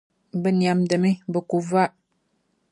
Bɛ nɛmdimi bɛ ku va.